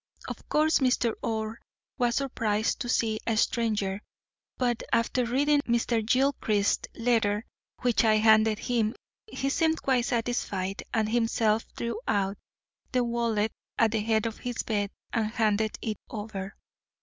Of course Mr. Orr was surprised to see a stranger, but after reading Mr. Gilchrist's letter which I handed him, he seemed quite satisfied and himself drew out the wallet at the head of his bed and handed it over.